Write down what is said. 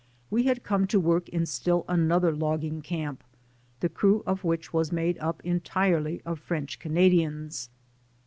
We had come to work in still another logging camp, the crew of which was made up entirely of French Canadians.